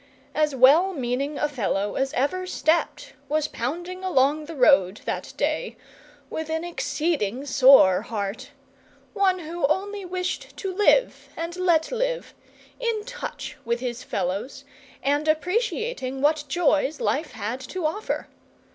As well meaning a fellow as ever stepped was pounding along the road that day, with an exceeding sore heart; one who only wished to live and let live, in touch with his fellows, and appreciating what joys life had to offer.